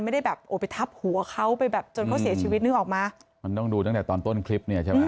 ไม่ได้แบบโอ้ไปทับหัวเขาไปแบบจนเขาเสียชีวิตนึกออกมามันต้องดูตั้งแต่ตอนต้นคลิปเนี่ยใช่ไหม